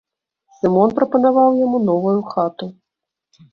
Сымон прапанаваў яму новую хату.